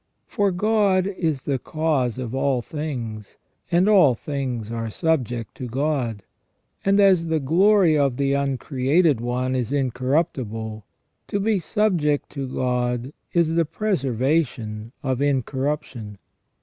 For God is the cause of all things, and all things are subject to God ; and as the glory of the Uncreated One is incorruptible, to be subject to God is the preservation of incorruption.